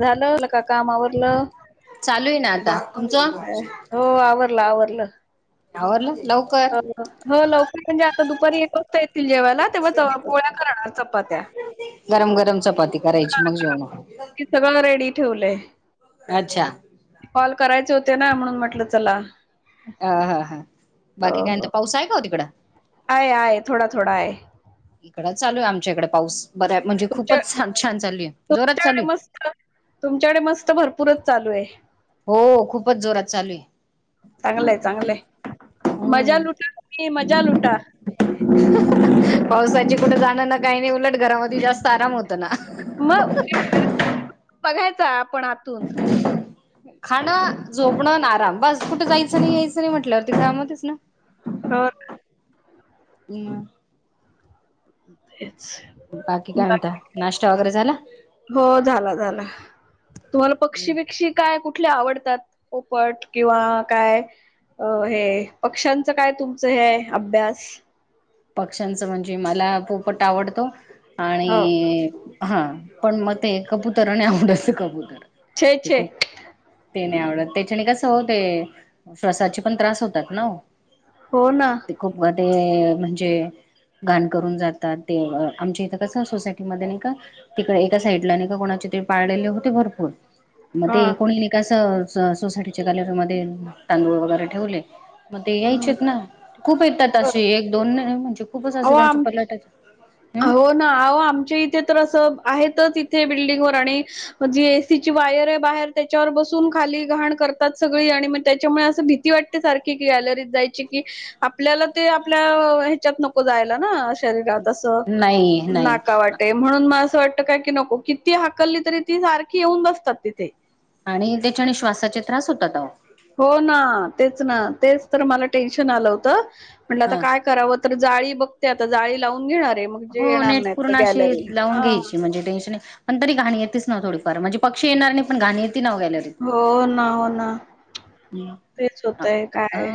झालं आवरलं का काम आवरलं, चालू आहे ना आता तुमचं हो आवरलं आवरलं. आवरलं लव हो लवकर म्हणजे आता दुपारी एक वाजता येतील जेवायला, तेव्हा पोळ्या करणार, चपात्या. गरम गरम चपाती करायची मग जेवण. -की सगळं रेडी ठेवलंय. अच्छा. कॉल करायचे होते ना म्हणून म्हटलं चला अ हा हा, हो बाकी कायं हो मनता? पाऊस आहे का ओ तिकडं? आहे आहे थोडा थोडा आहे. इकडं चालूय आमच्या इकडे पाऊस, बऱ्या म्हणजे तुमच्या खूपच छान आहे, जोरात चालू तुमच्याकडे आहे. मस्त तुमच्याकडे मस्त भरपूरच चालूय. हो, खूपच जोरात चालूय. चांगलंय चांगलंय, मजा हम्म लुटा तुम्ही मजा लुटा. पावसाची कुठं जाणं नऽ काही नाही उलटं घरामध्ये जास्त आराम होतं ना. मग उलट बघायचा आपण आतून. खाणं झोपणं न आराम, बस कुठे जायचं नाही यायचं नाही म्हटल्यावरती काम होतेच ना. हो हम्म, तेच. बाकी काय म्हणताय? बाकी- नाश्ता वगैरे झाला? हो झाला झाला, तुम्हाला पक्षी बिक्क्षीऽ काय कुठले आवडतात? पोपट किंवा काय, अ हे पक्ष्यांचं काय तुमचं हे हाय? अभ्यास. पक्ष्यांच म्हणजे मला पोपट आवडतो, हो आणिऽ हा पण मग ते कबुतर, आणि आवडाच कबूतर छे ते छे खूपऽ ते नाही आवडतं, त्याच्याने कसं हो ते, श्वासाचे पण त्रास होतात ना ओ. हो ना. ते खूप मध्ये म्हऽ जे घाण करून जातात ते, आमच्या इथं कसं सोसायटीमध्ये नाही का, तिकडे एका साइडला, नाही का कोणाचे ते पाळलेले होते. भरपूर, मग हा ते कोणीने, कसं सोसायटीच्या गॅलरीमध्ये, तांदूळ वगैरे ठेवले, मग ते यायचे हम्म ना, खूप येतात अशे, बरं. एक, दोन म्हणजे खूपच असे अहो त्यांच्या आम पलाटाचे. हो, हम्म ना, अहो आमच्या इथे तर असं आहेतच, इथे बिल्डिंग वर आणि मग, जी एसीची वायर आहे. बाहेर त्याच्यावर बसून खाली घाण करतात, सगळी आणि मग त्याच्यामुळे, असं भीती वाटते. ते सारखी, गॅलरीत जायची, कि आपल्याला ते, आपल्या हच्यात नको जायला ना, शरीरात अस, नाही नाही नाका वाटे म्हणून म, असं वाटत काय की नको, किती हाकलली तरी ती सारखी येऊन बसतात तिथे. आणि त्याच्याने, श्वासाचे त्रास होतात आवो. हो ना, तेच ना, तेच तर मला टेन्शन आलं होतं, म्हटलं आता ह काय कराव तर जाळी बघते आता, जाळी लावून घेणार आहे. मग, जे हो, येणार नेट नाहीत तर पूर्ण गॅलरीला. अशी लावून हा घ्यायची, म्हणजे टेशन नाही. पण तरी घाण येतच ना, थोडीफार म्हणजे, पक्षी येणार नाही, पण घाण येत ना ओ गॅलरीत. हो, ना, हो, ना तेच ह होतय काय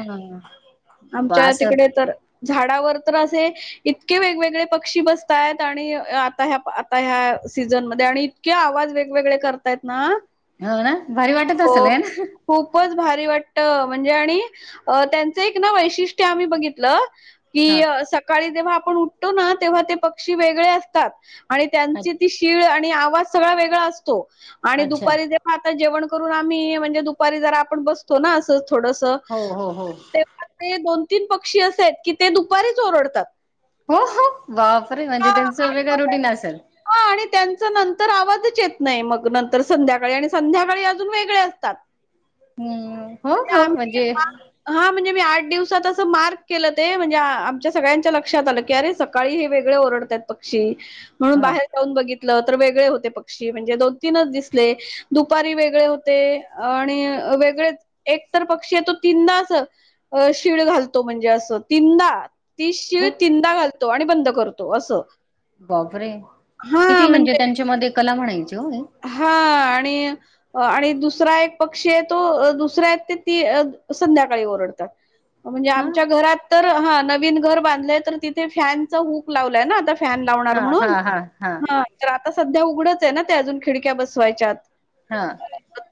आमच्या असं तिकडे तर, झाडावर तर असे इतके वेगवेगळे पक्षी बसतात. आणि, आता ह्या-आता ह्या सीझनमध्ये आणि इतके, आवाज वेगवेगळे करतायत ना. हो, ना भारी वाटत असेल हो. हे ना. खूपच भारी वाटत, म्हणजे आणि त्यांचं एक ना, वैशिष्ट्य आम्ही बघितलं, हा कि, सकाळी जेव्हा आपण उठतो ना, तेव्हा ते पक्षी वेगळे असतात, आणि त्यांची अ- ती तिळ, आणि आवाज सगळा वेगळा असतो, आणि अच्छा दुपारी जे हा, आता जेवण करून आम्ही म्हणजे, दुपारी जरा आपण बसतो ना, असं थोडस, हो, हो, हो, ते, दोन -तीन, पक्षी असे आहेत कि ते, दुपारीच ओरडतात. हो, हो बापरे म्हणजे त्यांचं वेगळ, रुटीन असेल. हा, आणि त्यांच नंतर आवाजच येत नाही. मग नंतर संध्याकाळी, आणि संध्याकाळी अजून वेगळे असतात. हम्म, हो -हो म्हणजे! हा, म्हणजे मी आठ दिवसात, असं मार्क केलं ते, म्हणजे आमच्या सगळ्यांच्या लक्षात आलं की, अरे सकाळी हे वेग गळ, ओरडतात पक्षी, म्हणून ह बाहेर जाऊ बघितल. तर वेगळे होते, पक्षी म्हणजे दोन - तीनच दिसले. दुपारी वेगळे होते, आणि वेगळेच, एक तर पक्षी आहे तो, तीनदा अस अ, शिळ घालतो, म्हणजे असं तीनदा, ती हो शिळ तिनदा घालतो, आणि बंद करतो. असं. बापरे, किती म्हणजे त्यांच्या मध्ये, कला म्हणायची हो. हा, आणि अ, आणि दुसरा एक पक्षी आहे तो, दुसरा आहे ते ती संध्याकाळी ओरडतात. म्हणजे, हा आमच्या घरात तर हा, नवीन घर बांधलंय, तर तिथे फॅन चा हुक लावलाय ना, आता फॅन लावणार हा म्हणून हा हा हा आ तर, आता सध्या उगडच आहे ना, ते अजून. खिडक्या बसवायच्यात. हा,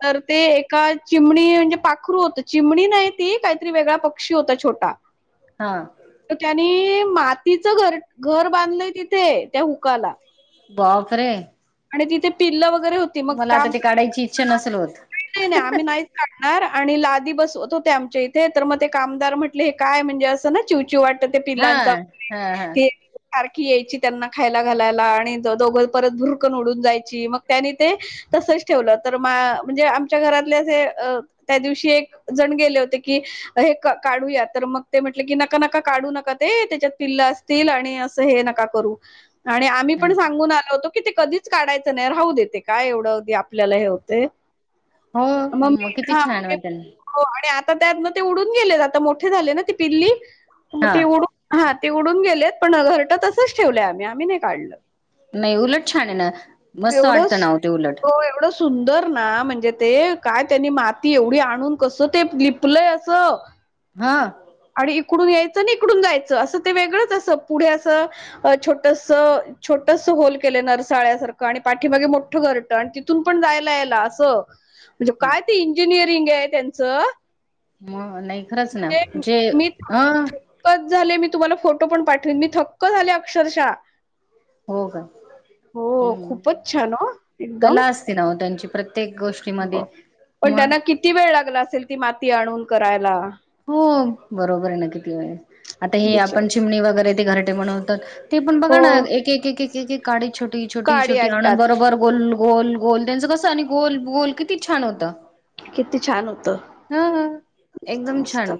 तर ते, एका चिमणी म्हणजे, पाखरू होत. चिमणी नाही ती, काहीतरी वेगळा पक्षी होता. छोटा, हा, तर त्यानी, मातीचं घर -घर बांधलंय तिथे, त्या हुकाला. बाप रे! आणि तिथे पिल्ल वगैरे होती. मग आता काम ते काढायची इच्छा नसेल होत नाही- नाही आम्ही नाही, काडणार, आणि लादी बसवत होते आमच्या इथे, तर मग ते कामदार म्हटले, हे काय म्हणजे असं ना चिवचिव वाटत. ते हा पिलांचा हा हा ते सारखी यायची त्यांना खायला घालायला आणि दोघं परत भुरकून उडून जायची मग त्यांनी ते तसच ठेवलं तर मा म्हणजे आमच्या घरातले असे त्या दिवशी एक जण गेले होते की हे काढूया तर मग ते म्हटले की नका नका काढू नका ते त्याच्यात पिल्लं अस तील आणि असं हे नका करू आणि आम्ही ह पण सांगून आलो होतो की ते कधीच काढायचं नाही राहू दे ते काय एवढं ते आपल्याला हे होते हो मग मी किती हां छान मग व मी त्यांना हो आणि आता त्यातन ते उडून गेलेत, आता मोठे झाले ना ती पिल्ली मग हा ते उडून हा ते उडून गेलेत, पण घरटं तसंच ठेवलंय आम्ही आम्ही नाही काढलं नाही उलट छान आहे न एवढं हो एवढं सुं सुंदर ना म्हणजे ते काय त्यांनी माती एवढी आणून कस ते लिपलय असं हा आणि इकडून यायचं आणि इकडून जायचं असं ते वेगळंच असं पुढे असं अ छोटस छोटस होल के केले नरसाळ्यासारखं आणि पाठीमागे मोठं घरटं आणि तिथून पण जायला यायला असं म्हणजे हा काय ते इंजिनिअरिंग आहे त्यांचं मग नाही खरंच ना जे हम्म कच झाले मी तुम्हाला फोटो पण पाठविन मी थक्क झाले अक्षरशः हो का हो हम्म खूपच छान हो एकदम कला असती ना ओ त्यांची प्रत्येक गोष्ट पण त्यांना किती वेळ लागला असेल ती माती आणून करायला. हो बरोबर आहे ना किती वेळे आता हे आपण बिचारे चिमणी वगैरे ते घरटे बनवतात ते पण बघा ना हो एक एक एक एक काडी छोटी छोटी काडी छोटी आणून आणतात बरोबर गोल गोल गोल त्यांचं कसं आणि गोल गोल किती छान होत. किती छान होतं. हा एकदम छान!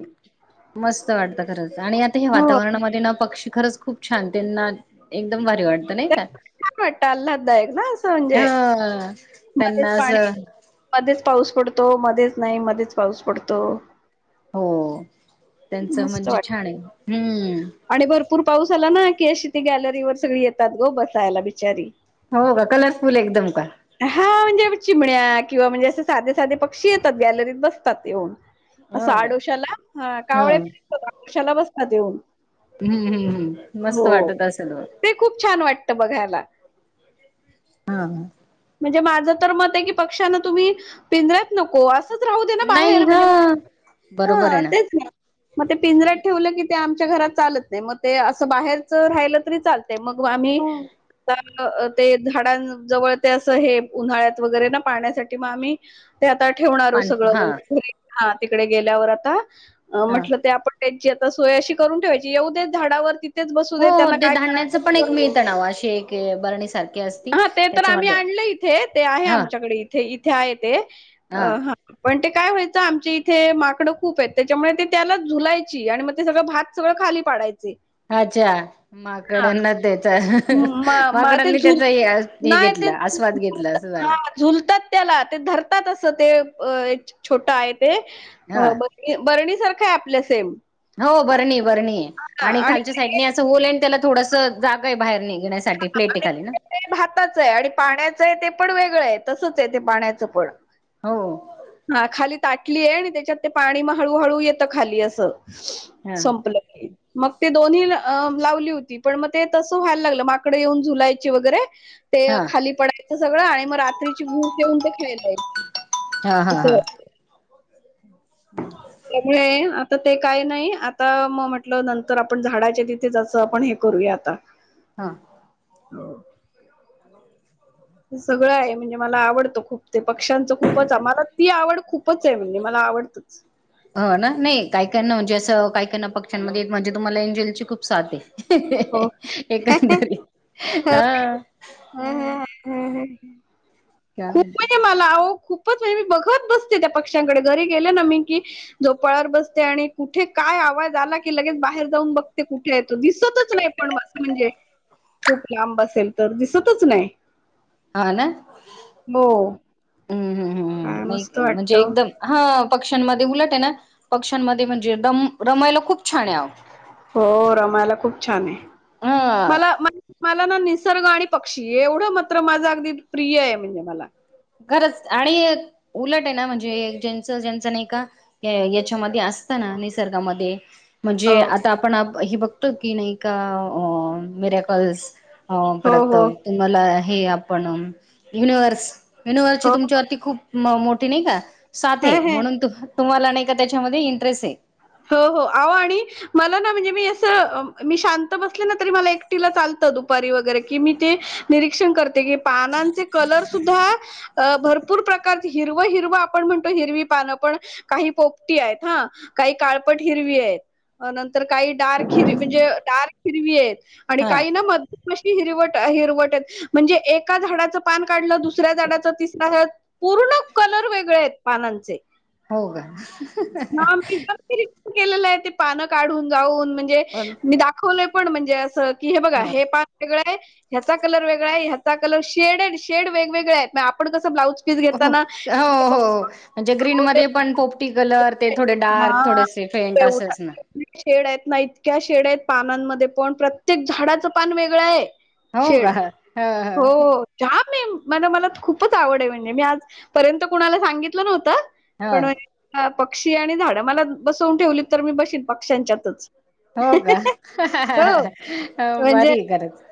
मस्त वाटत खरच आणि या हे हो वातावरणामध्ये ना पक्षी खरच खूप छान त्यांना एकदम भारी वाट नाही का छान वाटत आल्हाददायक ना असं म्हणजे हा मध्येच त्यांना अस पाणी मध्येच पाऊस पडतो मध्येच नाही मध्येच पाऊस पडतो. हो त्यांचं मस्त म्हणजे वाटत छान आहे, हम्म. आणि भरपूर पाऊस आला ना की अशी ती गॅलरीवर सगळी येतात ग बसायला बिचारी. हो का कलरफुल एकदम का? हा, म्हणजे चिमण्या किंवा म्हणजे असे साधे साधे पक्षी येतात गॅलरीत बसतात येऊन. हो असं का आडोशाला हा कावळे ह [unintelligible] आडोश्याला बसतात येऊन. हम्म हम्म हम्म मस्त हो वाटत असेल म ते खूप छान वाटतं बघायला. हा हा म्हणजे माझं तर मत आहे की पक्ष्यांना तुम्ही पिंजऱ्यात नको अस संच राहू दे ना नाही बाहेर हा म्हणजे म बरोबर हा आहे तेच ना. मग ते पिंजऱ्याात ठेवलं की ते आमच्या घरात चालत नाही, मग ते असं बाहेरच राहिलं तरी चाल ते मंग आम्ही हो ते झाडांन जवळ ते असं हे उन्हाळ्यात वगैरे ना पाण्यासाठी मग आम्ही ते आता ठेवणारो पान सगळं हा म्हणजे घरी हा तिकडे गेल्यावर आता हा. म्हटलं ते आपण त्याची आता सोय अशी करून ठेवायची, येऊद्यात झाडावरती हो ते धान्याचं पण एक मिळत ना वं अशी एक बरणीसारखी हा ते तर आम्ही आणलंय इथे ते आहे हा आमच्याकडे इथे इथे आहे ते हा हां पण ते काय व्हायचं आमच्या इथे माकडं खूप आहेत त्याच्यामुळे ते त्याला झुलायची आणि मग ते सगळं भात सगळं खाली पाडायचे. अच्छा हा माकडांना त्याच्या म म ते माकडांनी झुल त्याच हे नाही ते घेतलं आस्वाद घेतलं असं हा झालं. झुलतात त्याला, ते धरतात असं ते छोटं आहे ते हा ब बरणीसारखं हाय आपल्या सेम हो बरणी, बरणी आणि खालच्या साईडने असं होल आणि त्याला थोडसं जागा हाय बाहेर निघण्यासाठी प्लेट हे खाली ना. भाताचं हाय आणि पाण्याचं आहे ते पण वेगळं हाय तसच हाय ते पाण्याचं पण हो हा खाली ताटली हाय आणि त्येच्यात ते पाणी मग हळूहळू येतं खाली असं, हा संपलं. मग ते दोन्ही अ लावली होती पण मग ते तसं व्हायला लागलं माकडं येऊन झुलायची वगैरे ते हा खाली पडायचं सगळं आणि मग रात्रीची गू ठेऊन ते खेळलं हां हां हां [unintelligible] त्यामुळे आता ते काय नाही आता म म्हटलं नंतर आपण झाडाच्या तिथे अस आपण हे करूया आता हां [unintelligible] ते सगळं हाय म्हणजे मला आवडतं खूप ते पक्ष्यांच खूपच आ मला ती आवड खूपच हे म्हणजे मला आवडतच हो ना नाही, काहीकाना म्हणजे असं काहीकाना पक्ष्यांमध्ये म्हणजे तुम्हाला एंजेल ची खूप साथ हे हो. एकंदरी हं हं हं हं हं. खूप [unintelligible] म्हणजे मला अहो खूपच वेळ मी बघत बसते त्या पक्षांकडे घरी गेले ना मी की झोपाळ्यावर बसते आणि कुठे काय आवाज आला की लगेच बाहेर जाऊन बघते कुठेय तो दिसतच नाही पण [unintelligible] म्हणजे खूप लांब असेल तर दिसतच नाय हा ना हम्म हम् हम् काय मस्त नाही वाटत म्हणजे एकदम हा पक्ष्यांमध्ये उलट आहे ना पक्ष्यांमध्ये म्हणजे दम रमायला खूप छान हाय आव. हो रमायला खूप छान हाय हा मला म मला ना निसर्ग आणि पक्षी एवढं मात्र माझं अगदी प्रिय आहे म्हणजे मला खरंच आणि उलट आहे ना ज्यांच ज्यांच नाही का याच्यामध्ये असं त ना, निसर्गामध्ये म्हणजे हो आत ते आपण हे बघतो की नाही का मिर्याकल्स अ हो परत हो ते मला हे आपण म युनिव्हर्स युनिव्हर्सची हो तुमच्यावरती खूप मोठी नाही का, साथ हे हेय हे म्हणून तुम तुम्हाला नाही का त्याच्यामध्ये इंटरेस्ट हेय हो हो आवो आणि मला ना म्हणजे मी असं, मी शांत बसले ना तरी मला एकटीला चालतं दुपारी वगैरे की मी ते निरीक्षण करते की पानांचे कलर सुद्धा अ भरपूर प्रकार हिरवं -हिरवं आपण म्हणतो हिरवी पानं पण काही पोपटी आहेत हा काही काळपट हिरवी आहेत नंत- तर काही डार्क हिर म्हणजे डार्क हिरवी हेयत आणि हा काही ना म कशी हिरवट -हिरवट हेत म्हणजे एका झाडाचं पान काढलं दुसऱ्या झाडाच तिसरा पूर्ण कलर वेगळे आहेत पानांचे. हो का. रिक् केलेलं आहे ते पानं काढून गाऊन म्हणजे मी दाखवलोय पण म्हणजे असं, की हे बघा ह हे वेगळ आहे ह्याचा कलर वेगळा आहे ह्याचा कलर शेड आणी शेड वेगवेगळे आहेत. आपण कस ब्लाऊज हो हो हो म्हणजे ग्रीन ते मध्ये पण पोप टी कलर ते थोडे डार्क हां, थोडेसे फेंट तेवढ्या असतं. शेड आहेत ना, इतक्या शेड आहेत पानांमध्ये पण प्रत्येक झाडाचं पान वेगळं आहे‌. हो शेड का ह ह हो हो. जाम मीम, मला मला खूपच आवड आहे म्हणजे मी आजपर्यंत कुणाला सांगितलं नव्हतं‌. ह पण पक्षी आणि झाड मला बसवून ठेवली तर मी बशीन पक्ष्यांच्यातच. हो हो का म्हणजे भारी खरंच.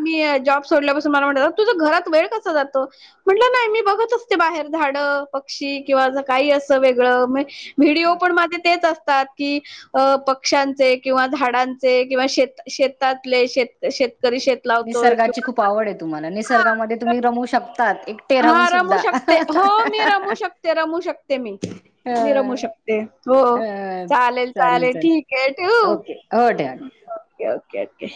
मी जॉब सोडल्यापासून मला म्हटत्यात तुझं घरात वेळ कसा जातो. म्हटलं नाही मी बघत असते बाहेर झाडं पक्षी किंवा काही असं वेगळं म- व्हिडिओ ह पण माझे तेच असतात. कि अ पक्ष्यांचे किंवा झाडांचे किंवा शेत शेतातले शेत श- करी शेत लावतोय निसर्गाची किंवा खूप आवड आहे तुम्हाला, निसर्गामध्ये तुम्ही रमू शकतात एक- हा रमू शकते, हो हो मी रमू शकते रमू शकते मी. अ मी रमू शकते. हो अ चालेल चालेल ठीके ठेवू. ओके हो ठेवा ओके ओके ओके.